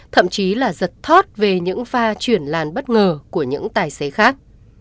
thậm chí là giật thót về những pha chuyển làn bất ngờ của những tài xế khác